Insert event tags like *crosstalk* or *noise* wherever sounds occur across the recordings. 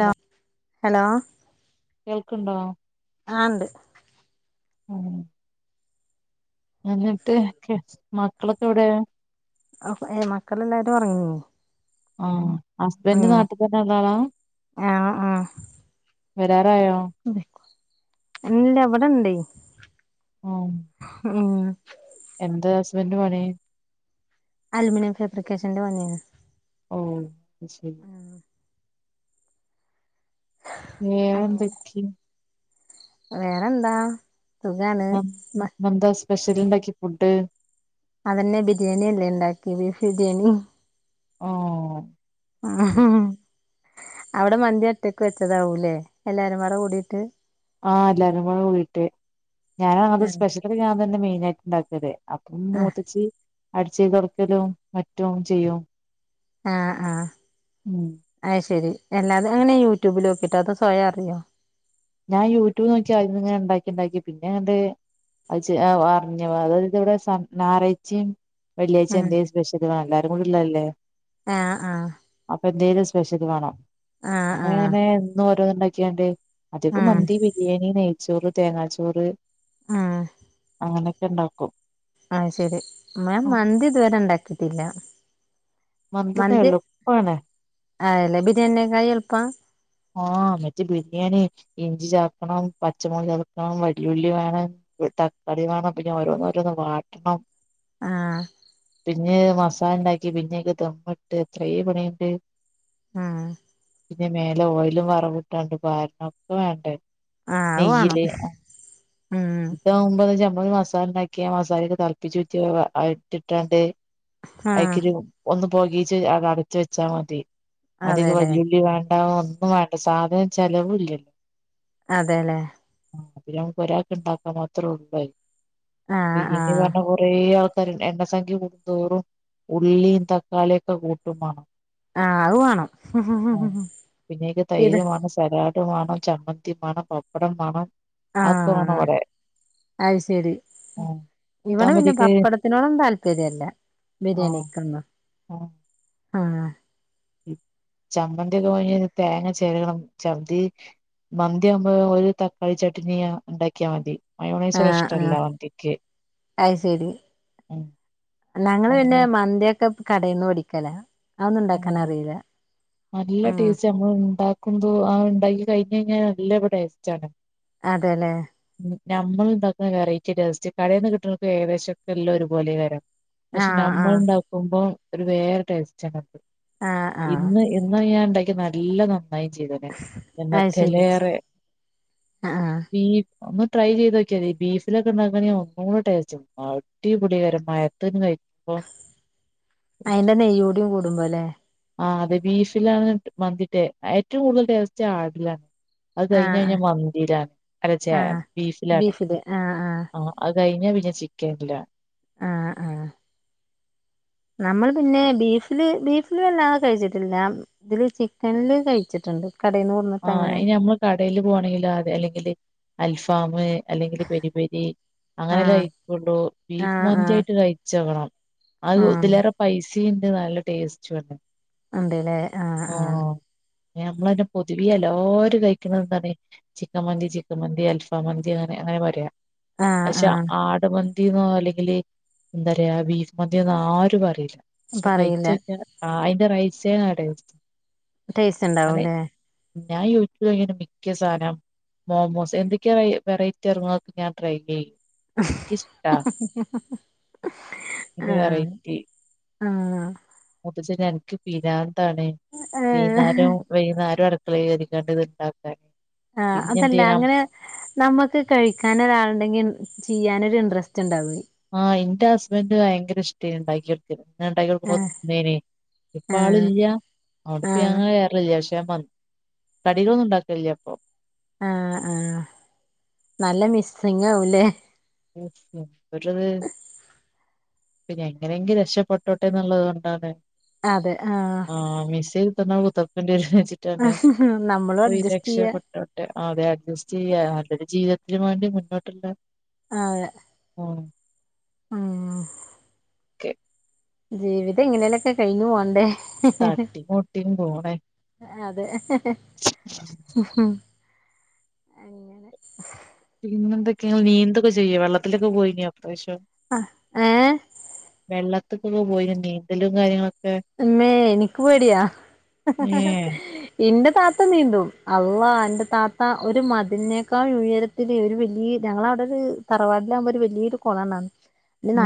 Hello hello കേൾക്ണ്ടോ ആ ഉണ്ട് ഉം എന്നിട്ട് ക്കെ മക്കളൊക്കെ എവിടെ? അപ്പം ഏ മക്കളെല്ലാരും ഒറങ്ങി ആഹ് ഹസ്ബൻഡ് നാട്ടിൽ തന്നെ ഉള്ളയാളാ ആഹ് വരാറായോ? എല്ല വടെണ്ടേ ഉം എന്ത് ഹസ്ബന്റിന് പണി? അലൂമിനിയം ഫേബ്രിക്കേഷന്റെ പണിയാണ് ഓഹ് ശെരി. *inaudible* അങ്ങനെ വേറെന്തൊക്കെ? വേറെന്താ. സുഖാണ് അഹ് ന്ന്ന്താ സ്പെഷ്യലിണ്ടാക്കി ഫുഡ് അതെന്നെ ബിരിയാണി എല്ലെ ഇണ്ടാക്കി ഫിരിയാണി ആഹ് ആഹ് അവിടെ മന്തി ഒറ്റക്ക് വെച്ചതാവൂല്ലേ എല്ലാരുംബാടെ കൂടിട്ട് ആഹ് അല്ലാരുംകൂടെ കൂടിട്ട് ഞാനാണ് അത് ആഹ് സ്പെഷ്യൽ ഞാൻ തന്നെ മെയിന ആയിട്ട് ഉണ്ടാക്കല് അപ്പം ആഹ് മൂത്തച്ചി അടിച്ചേയിരിതോടക്കലും മുറ്റും ചെയ്യും. ആഹ് ആഹ് ഉം അത് ശരി തന്നെ അതെങ്ങനെ യൂട്യൂബിൽ നോക്കിട്ടോ അതോ സ്വയം അറിയോ? ഞാൻ യൂട്യൂബ് നോക്കി അയിന്ന്ങ്ങനണ്ടാക്കിണ്ടാക്കി പിന്നെ അങ്ങട്ട് അജ് ആ ഓ അർഞ് അതായത് വിടെ സ ഞറാഴ്ച്ചിം വെള്ളിയാഴ്ച ആഹ് എന്തേലും സ്പെഷ്യൽ വാണ്ടേ എല്ലാരും കൂടിയുള്ളതല്ലേ ഏഹ് ആഹ് അപ്പന്തെിലും സ്പെഷ്യല് വേണം ആഹ് അങ്ങനെ ആഹ് എന്നും ഓരോന്നുണ്ടാക്കിക്കാണ്ട് അതികം ആഹ് മന്തി, ബിരിയാണി, നെയ്ച്ചോറ്, തേങ്ങാച്ചോറ് ആഹ് അങ്ങനൊക്കെ ഉണ്ടും അത് ശെരി മേം മന്തി ഇത്‌വരെ ണ്ടാക്കീട്ടില്ലാ മന്തി ആല്ലേ ബിരിയാണിനേക്കാൾ എളുപ്പം ആഹ് മറ്റേ ബിരിയാണി ഇഞ്ചി ചേർക്കണം പച്ചമൊള് ചേർക്കണം വല്യുള്ളി വേണം തക്കാളി വേണം പിന്നെ ഓരോന്ന് രോന്ന് വാട്ടണം ആഹ് പിന്നെ മസാല ണ്ടാക്കി പിന്നെയിക്ക് ദമ്മിട്ട് എത്രേ പണിയണ്ട്. ആഹ് പിന്നെ മേലെ ഓയിലും വറവിട്ടാണ്ട് പാരണം ഒക്കെവേണ്ടേ? ആഹ് അത് വേണം നെയ്യില് അഹ് ഉം താ കുമ്പോ *unintelligible* മസാല ഉണ്ടാക്കിയ മസാലൊക്കെ തളപ്പിചൂറ്റ ആ എട്ടിട്ടാണ്ട് ആഹ് അയ്ക്കെരു ഒന്ന് പോകീച്ച് അത് അടച്ചവെച്ചാ മതി അതിക്ക് അതെല്ലേ വല്ലുള്ളി വേ ഉണ്ടാവൊ ഒന്നും വേണ്ട സാധനം ചെലവ്ഇല്ലല്ലോ അതെലെ *unintelligible* ഒരാക്ക് ണ്ടാക്കാൻ മാത്രേള്ളൂ അഹ് ആഹ് ആഹ് *unintelligible* കുറേ ആൾക്കാർ എണ്ണസംഖ്യ കൂടുന്തോറും ഉള്ളീൻ തക്കാളിയൊക്കെ കൂട്ടുംമാണം ആഹ് അത് വേണം അഹ് പിന്നെയ്ക്ക് ഇത് തൈര്മാണം സരാട് മാണം ചമ്മന്തി മാണം പപ്പടം മാണം അതൊക്കെ മാണം ആഹ് ഇവിടെ അത് ശരി ആഹ് ഇവടെ ഇതാവുമ്പോ പിന്നെ ഇതിക്ക് പപ്പടത്തിനോടം താല്പര്യല്ല ആഹ് ബിരിയാണിക്കൊന്നും ആഹ് ആഹ് ചമ്മന്തി ത തേങ്ങ ചെരകണം ചമ്മന്തി മന്തിയാവുമ്പോ ഒരു തക്കാളി ചട്നിയാ ഉണ്ടാക്കിയാ മതി മയോണൈസ് ആഹ് ഇഷ്ടല്ല ആഹ് മന്തിക്ക് ഉം ല്ലാ ഞങ്ങള് പിന്നെ അങ്ങനെ മന്തിയൊക്കെ കടയിൽന്ന് ടിക്കല അതൊന്നും ആഹ് ഇണ്ടാക്കാനറീല ആഹ് അമ്മഹ്ണ്ടാക്കുമ്പോ ആഹ് ണ്ടാക്കി കഴിഞ്ഞ കഴിഞ്ഞാ നല്ല ഇവിടെ ടേസ്റ്റ്ആണ് അതെല്ലേ നമ്മൾ ഉണ്ടാക്കുന്ന വെറൈറ്റി ടേസ്റ്റ് കടയിൽ നിന്ന് കിട്ടുന്ന ഏകദേശൊക്കെ എല്ലാം ഒരുപലെക്കാരം പക്ഷെ ആഹ് നമ്മൾ ആഹ് ഉണ്ടാക്കുമ്പോം ഒരു വേറെ ടേസ്റ്റണ് ആഹ് ആഹ് ഇന്ന് ഇന്ന് ഞാൻ ഉണ്ടാക്കി നല്ല നന്നായി ചെയ്ത് അത് ശരി എന്നത്തലേറെ ആ ആ ബീ ഒന്ന് ട്രൈ ചെയ്ത് നോക്കിയാതി ഈ ബീഫിലൊക്കെ ഉണ്ടാക്കണെ ഒന്നുകൂടെ ടേസ്റ്റും അടിപൊളികാരം മഴത്ത്ന്ന് കഴി പൊ അയിന്റെ നെയ്യോടിയ കൂടുമ്പോ അല്ലേ ആ അതെ ബീഫിലാണ് വന്തിട്ടേ ഏറ്റവും കൂടുതൽ ടേസ്റ്റ് ആടിലാണ് അത് ആ കഴിഞ്ഞ ആ കഴിഞ്ഞ മന്തിയിലാണ് അല്ല ച്ചേ ആ ബീഫിലാണ് ബീഫില് ആ ആ അഹ് കഴിഞ്ഞ പിന്നെ ചിക്കൻല്ല ആഹ് ആഹ് നമ്മള് പിന്നെ ബീഫില് ബീഫില് വല്ലാതെ കഴിച്ചിട്ടില്ല ഇതില് ചിക്കനില് കഴിച്ചിട്ടുണ്ട് കടേന്നു വെന്ന് ആഹ് ഇനി നമ്മള് കടേല് പോണെങ്കിലോ അതെ അല്ലെങ്കില് അൽഫാം അല്ലെങ്കില് പെരി പെരി ആ അങ്ങനെല്ലാം കഴപ്പള്ളൂ ആ ബീഫ് ആ മന്തയിട്ട് കഴിച്ചോകണം ആ അഹ് ഇതിലേറെ പൈസീണ്ട് നല്ല ടേസ്റ്റുണ്ട് ഉണ്ട് ല്ലേ ആഹ് ആഹ് നമ്മളന്നെ പൊതുവി എല്ലാര് കഴിക്ക്ണന്താണ് ചിക്കൻ മന്തി ചിക്കൻ മന്തി അൽഫാ മന്തി അങ്ങനെ അങ്ങനെ പറയാം ആ പക്ഷെ ആ ആട്മന്തി *unintelligible* അല്ലെങ്കിൽ എന്താറയാ ബീഫ്‌ മന്തീന്നോ ആരും അറിയില്ല പക്ഷെ പറയില്ല കഴിച്ചക്കാ ആഹ് അയ്ന്റെ റൈസേ *unintelligible* ടേസ്റ്റ്ണ്ടാവും അങ്ങനെ ല്ലേ ഞാൻ യൂട്യൂബ്നോക്കിന്നെ മിക്കസാനം മോമോസ് എന്തൊക്കെയാ വെറൈറ്റി ഏർങണൊക്കെ ഞാൻ ട്രൈ ചെയ്യും എനിക്കിഷ്ടാ ഇങ്ങനെ ആഹ് ആഹ് മുതുച്ചന് അൻക്ക് പിരാന്താണ് ഏ വൈന്നാരം വൈന്നേരും അടക്കളരിക്കാണ്ട് ഇത് ഇണ്ടാക്കാൻ ആഹ് അതല്ല അങ്ങനെ നമ്മുക്ക് കഴിക്കാൻ ഒരാളുണ്ടെങ്കിൽ ചെയ്യാനരു ഇൻട്രസ്റ്റ് ഉണ്ടാവ ആഹ് എന്റെ ഹസ്ബൻഡ് ഭയങ്കര ഇഷ്ട്ടായി ഉണ്ടാക്കിത് ആ ഞാണ്ടാക്കികൊട്ക്കുമ്പ ണ്ടേനി ഇപ്പ ആ ആള് ഇല്ല അവ്ടെപ്പ ആ ഞങ്ങള് *unintelligible* കടികളൊന്നും ഉണ്ടാക്കണില്ലേ അപ്പൊ ആഹ് ആഹ് നല്ല മിസ്സിംഗ് ആവുല്ലേ ഉ വട്ടത് പിന്നെ എങ്ങനെങ്കിലും രക്ഷപ്പെട്ടോട്ടെ എന്നുള്ളത് കൊണ്ടാണ് അതെ ആഹ് ആഹ് മിസ്സയ്തിതെന്നാ കുത്ർക്കണ്ടീരു ജാറ്ചിട്ടാണ് നമ്മളും പൊയ് അഡ്ജസ്റ്റ് ചെയ്യ രക്ഷപ്പെട്ടോട്ടെ അതെ അഡ്ജസ്റ്റ് ചെയ്യ നല്ലൊരു ജീവിതത്തിനന് വേണ്ടി മുന്നോട്ടുള്ള അതെ പോണം ആഹ് കെ ജീവിതം ഇങ്ങനെലൊക്കെ കഴിഞ്ഞുപോണ്ടേ തട്ടി മുട്ടിയും പോണേ അതെ അങ്ങനെ പിന്നെ എന്തൊക്കെയ നീന്തൊക്കെ ചെയ്യോ വെള്ളത്തിലൊക്കെ പോയിഞ്ഞോ ഇപ്രാവശ്യം ആ വെള്ളത്തിക്കൊക്കെ പോയി നീന്തലും കാര്യങ്ങളൊക്കെ മേ എനിക്ക് പേടിയാ ഏഹ് എന്റെ താത്ത നീന്തും അള്ളാ എന്റെ താത്ത ഒരു മതിനിനേക്കാൾ ഉയര തൊര് ഒരു വല്യയ ഞങ്ങളവ്ടെര് തറവാട്ലാവുമ്പൊര് വലിയൊരു കൊളണാണ്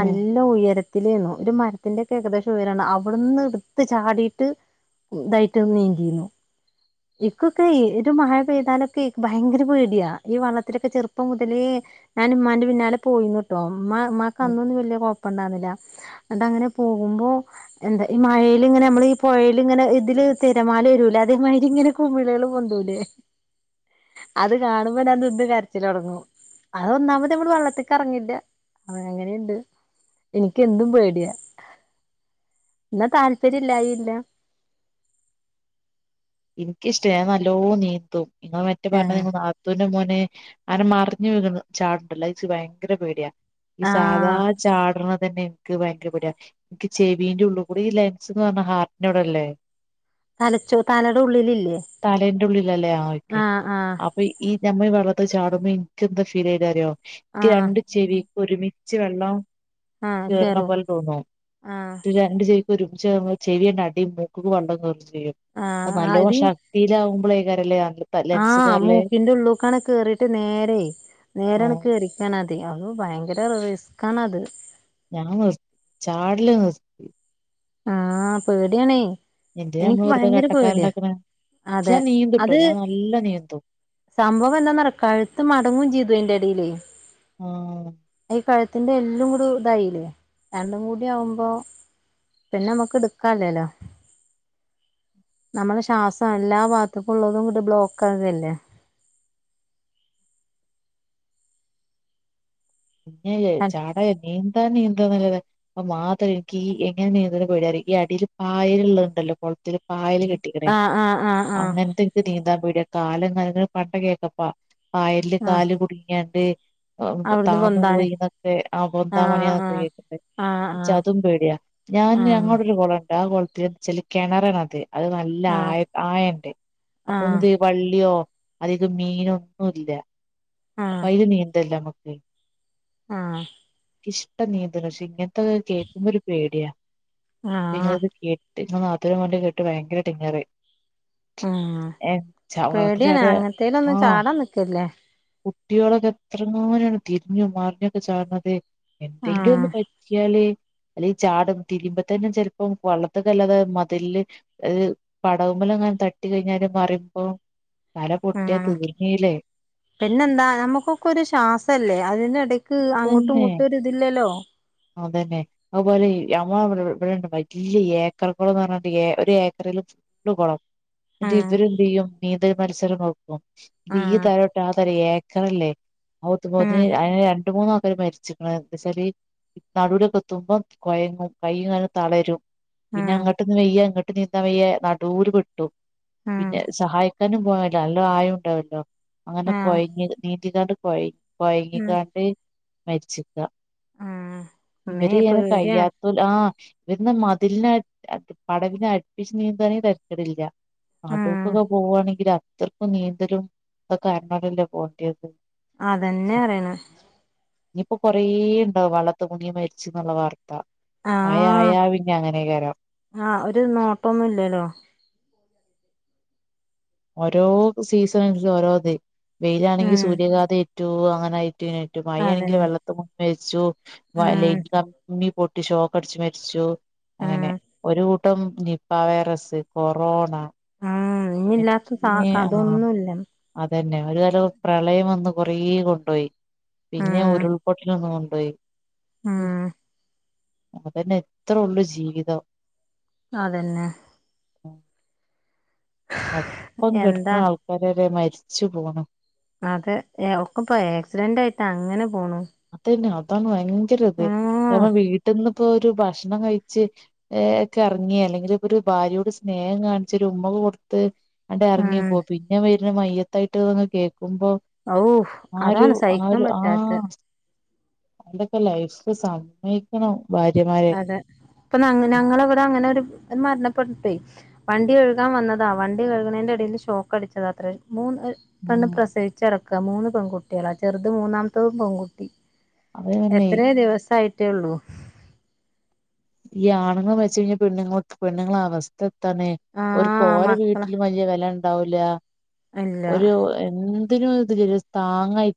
ഉം ഉയരത്തിലേന്നു ഒരു മരത്തിന്റൊക്കെ ഏകദേശം ഉയരാണ് അ ബട്ന്ന് ഇട്ത്ത് ചാടീട്ട് ഇതായിട്ട് നീന്തീനു ഇക്കൊക്കെ ഒരു മഴ പെയ്താലൊക്കെ ഭയങ്കര പേടിയാ ഈ വള്ളത്തിലൊക്കെ ചെറുപ്പം മുതലേ ഞാൻ ഇമാന്റെ പിന്നാലെ പോയിന്നന്ന് ട്ടോ ഇമമാ ഇമമാക്ക് ഉം അന്നൊന്നും വലിയ കൊഴപ്പ ഇണ്ടായിരുന്നില്ല അത അങ്ങനെ പോകുമ്പോ എന്താ ഈ മഴയിൽ ഇങ്ങനെ നമ്മള് ഈ പുഴൽ ഇങ്ങനെ ഇതില് തിരമാല വരൂല അത ഇങ്ങനെ കുമിളെള് പൊന്തൂലേ അത് കാണുമ്പ ഞാ നിന്ന് കര്ച്ചിലൊട്ങ്ങും അത ഒന്നാമത്വള് വെള്ളത്തിക്ക് എറങ്ങില്ല അന അങ്ങനിണ്ട് എനിക്ക് എന്തും പേടിയാ എന്നാ താല്പര്യ ഇല്ലായില്ല ഇൻക്കിഷ്ട ഞാ നല്ലോ നീന്തും ഇങ്ങെ മറ്റേ പറഞ്ഞത് ആഹ് ഞങ്ങള് നാളെ നത്തൂൻ്റെ മോനെ ആനെ മറിഞ്ഞു വ ചാടുണ്ടല്ലോ അത് ഇച്ച് ഭയങ്കര പേടിയ ഈ സാദാ ആഹ് ചാടണ തന്നെ എനിക്ക് ഭയങ്കരപേടി ഇക്ക് ചെവീന്റെ ഉള്ള്കൂടെ ഈ ലെൻസ്ന്ന് പർഞ്ഞാ ഹാർട്ടിന്റെവടല്ലേ തലച്ചോ തലെടെ ഉള്ളിലില്ലേ തലേന്റുള്ളിലല്ലേ ആ ഓക്കെ ആഹ് ആഹ് അപ്പൊ ഇ ഈ നഞമ്മ വെള്ളത്ത ചാടുമ്പ്പോ എനിക്ക് എന്താ ഫീൽതറയോ എനിക്ക് ആഹ് രണ്ടു ചെവി ഒരുമിച്ച് വെള്ളം ആഹ് കേറും കേർണപോലെ തോന്നും ആഹ് രണ്ട് ചെവിക്കൊരു ചേർന്ന് ചെവിണ്ട്അടിം മൂക്ക്ക്ക് വള്ളംകേറും ചെയ്യും അ ആഹ് നല്ലോ ആദ്യ ശക്തിയിലാവുമ്പളേയ്കാരലെ അങ്ങട് ആഹ് മൂക്കിന്റെ ഉള്ളൂക്കാണ് കേറീട്ട് നേരെ നേരാണ് ആഹ് കേറി ചേനെ അധിക്കോ അഹ് ഭയങ്കര റിസ്ക്കാണ് അത് ഞാൻ നിർ ചാടില നിർ ആഹ് പേടീയാണേ എന്തിനാമ്മ വെറുത കട്ടക്കാലണ്ടക്കണെ ക്ഷെ അതെ ഞാൻ നീന്തുട്ടോ അത് ഞാൻ നല്ല നീന്തു സംഭവം എന്താന്നറ കഴുത്ത് മടങ്ങും ചെയ്തു അതിൻ്റെ എടേൽ ആഹ് ഈ കഴു ത്തിന്റെ എല്ലും കൂടി ഇതായില്ലേ രണ്ടും കൂടിയ ആവുമ്പോ പിന്നമ്മക്ക് ഇട്ക്കാല്ലല്ലോ നമ്മളെ ശ്വാസം എല്ലാ ബാത്ക്കും ഉള്ളതുംകുടി ബ്ലോക്ക് ആല്ലേ പിന്നെ ചാട നീന്താ നീന്താ നല്ലത അപ്പൊ മാത്രം എനിക്ക് ഈ എങ്ങനെ നീന്തണ പേടിയ ഈ അടിയിൽ പായൽ ഉള്ളതുണ്ടല്ലോ കുളത്തിൽ പായൽ ആഹ് ആഹ് ആഹ് ആഹ് അങ്ങനെന്ത് നീന്താൻ പേടിയ കാലങ്ങാനം *unintelligible* ആഹ് പായയില് കുടുങ്ങിയാ എന്ത് ചെയ്യും. അവിടുന്ന് താന്നു പൊന്താന് പോയിന്നൊക്കെ ആ പൊന്താം ആഹ് മണിയാന്നൊക്കെ ആഹ് കേക്കെ ആഹ് ആഹ് അതും പേടിയാ ഞാൻ ആഹ് അങ്ങോട്ടൊരു കുളം ഉണ്ട് ആ കുളത്തി ചെളി കിണറണത് അത് നല്ല ആഹ് ആ ആയുണ്ട് ആഹ് അപ്പൊന്ത് ചെയ്യും വള്ളിയോ അധികം മീനൊന്നു ഇല്ല, അപ്പോ ആഹ് അതില് നീന്തല്ലോ നമുക്ക്. ആഹ് ഇഷ്ട നീന്തല്, പക്ഷെ ഇങ്ങനത്തെക്കെ കേൾക്കുമ്പോ ഒരു പേടിയാ ആഹ് നിങ്ങളിത് കേ *unintelligible* ഉം, പേടിയാണ് വെള്ളത്തിച്ചാടിയ അങ്ങനത്തേല് ഒന്നും ആഹ് ചാടാൻ നിക്കല്ലേ. കുട്ടികളൊക്കെ എത്രങ്ങാനാണ് തിരിഞ്ഞു മാറിഞ്ഞൊക്കെ ചാടണതെ. എന്തെങ്കിലും ഒന്ന് ആഹ് പറ്റിയാല്. അല്ലെ ഈ ചാടും തിരിയുപത്തേന് ചിലപ്പം വളളത്തിലേക്ക് അല്ലാതെ മതിലില് അത് പടവുമേൽഅങ്ങനെ തട്ടി കഴിഞ്ഞാല് മറുമ്പോ തല പൊട്ടിയ ആഹ് തിർന്നില്ലേ പിന്നെന്താ നമ്മുക്കൊക്കെ ഒരു ശ്വാസല്ലേ അതിനിടയ്ക്ക് അത് അങ്ങോട്ടും തന്നെ ഇങ്ങോട്ടും ഒരു ഇതില്ലല്ലോ. അതന്നെ അതുപോലെ മ്മടെ ഇവിടെണ്ട് വലിയ ഏക്കർക്കളന്ന് പറഞ്ഞിട്ടണ്ട് ഏ ഒരു ഏക്കറില് ഉണ്ട് കുളം എന്നിട് ആഹ് ഇവര്ന്ത് ചെയ്യും നീന്തല് മത്സരം വയ്ക്കും, ഈ ആഹ് തര ഏക്കറ അല്ലേ ആഹ് *unintelligible* രണ്ട് മൂന്ന് ആൾക്കർ മരിച്ച്, എന്നു വെച്ചാല് ഈ നടുവിലൊക്കെ എത്തുമ്പോം കൊഴങ്ങും കയ്യും കാലും തളരും. പിന്നെ ആഹ് അങ്ങട്ട് നിന്താൻ വയ്യ, ഇങ്ങോട്ട് നീന്താൻ വെയ്യ, നടുവില് പെട്ടു പിന്നെ സഹായ പോയല്ലോ നല്ലോ ആഴം ഉണ്ടാവല്ലോ അങ്ങനെ ആഹ് ആഹ് കൊഴഞ്ഞ് നീന്തി കൊഴയി ഉം കൊഴങ്ങിക്കാണ്ട് മരിച്ചിരിക്ക ആഹ് അമ്മേ ഇവര് പേടിയാണ് കഴിയാത്ത ആഹ് ഇവരന്ന മതില്ന് പടവിനെ അടിപ്പിച്ച് നീന്താണെ തരക്കേടില്ല. ആഹ് നടുമെക്കൊക്കെ പോവുവാണെങ്കിൽ അത്രയ്ക്കും നീന്തലും അതൊക്കെ *unintelligible* പോകേണ്ടിയത് അതന്നെ അറിയണ് ഇനിയിപ്പോ കൊറേ ഉണ്ടാവും വെള്ളത്തി മുങ്ങി മരിച്ച് എന്നുള്ള വാർത്ത. മയ ആഹ് ആയ പിന്നെ അങ്ങനെയൊകെ വരാം ആഹ് ഒരു നോട്ടൊന്നും ഇല്ലല്ലോ ഓരോ സീസൺ ഓരോത് വെയിലാണെങ്കിൽ ഉം സൂര്യഘാത ഏറ്റു അങ്ങനെ ആയിട്ട് മഴ ആണെങ്കിൽ അതന്നെ വെള്ളത്തി മുങ്ങി മരിച്ചു, ഉം ലൈൻ കമ്പി പൊട്ടി ഷോക്ക് അടിച്ച് മരിച്ചു. അങ്ങനെ ഉം ഒരു കൂട്ടം നിപ്പ വൈറസ് കൊറോണ. ആഹ് ഇനില്ലാത്ത എനിക്ക് ആഹ് അതൊന്നുമില്ല അതന്നെ ഒരു കാലം പ്രളയം വന്ന് കൊറേ കൊണ്ടുപോയി. പിന്നെ ഉം ഉരുൾപൊട്ടൽ വന്നു കൊണ്ട് പോയി. ഉം അതന്നെ ഇത്ര ഉള്ളൂ ജീവിതം അതന്നെ ഉം. അപ്പം എന്താ കിടക്കുന്ന ആൾക്കാര്വരെ മരിച്ചു പോണു അതെ ഒക്കെ ഇപ്പോ ആക്സിഡന്റ് ആയിട്ട് അങ്ങനെ പോണു. അതന്നെ അതാണ് ഭയങ്കര ഇത്. ആ ഞമ്മ വീട്ടിന്ന്പ്പോ ഒരു ഭക്ഷണം കഴിച്ച് വേഗം എറങ്ങി അല്ലെങ്കിലിപ്പൊരു ഭാര്യയോട് സ്നേഹം കാണിച്ചൊരു ഉമ്മൊക്കെ കൊടുത്ത് ഉം ആണ്ടർങ്ങിപ്പോവും. പിന്നെ വരുന്ന മയ്യത്തായിട്ട്ന്ന് കേക്കുമ്പോ? ഔ ആരു അതാണ് സഹിക്കാൻ ആരു ആഹാ പറ്റാത്തെ ഇതൊക്കെ ലൈഫ് സമ്മയിക്കണം ഭാര്യമാരെ അതെ ഇപ്പൊ ഞങ്ങ ഞങ്ങളവിടെ അങ്ങനൊരു മരണപ്പെട്ടിട്ടേയ് വണ്ടികഴുകാൻ വന്നതാ വണ്ടി കഴുകണേൻറ്റേടയില് ഷോക്കടിച്ചതാത്രേ മൂന്ന് പെണ്ണ് ഉം പ്രസവിച്ചടക്ക മൂന്ന് പെൺകുട്ടികളാ ചെറുത് മൂന്നാമതും പെൺകുട്ടി അത് തന്നെ എത്രേ ദിവസായിട്ടേയുള്ളൂ ഈ ആണുങ്ങള് മരിച്ചുകഴിഞ്ഞാ പെണ്ണുങ്ങൾക്ക് പെണ്ണുങ്ങളെ അവസ്ഥ എന്താണേ ആ ഓർക്ക് മക്കളെ ഓരവീട്ടില് വല്യ വെലയുണ്ടാവൂല ഇല്ല ഒരു എന് ന്തിനു ഒരിതില്ലല്ലോ താങ്ങായി